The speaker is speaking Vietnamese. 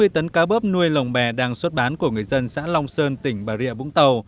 hai mươi tấn cá bớp nuôi lồng bè đang xuất bán của người dân xã long sơn tỉnh bà rịa vũng tàu